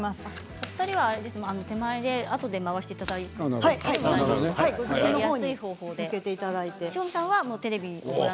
お二人は手前であとで回していただいていいですよ。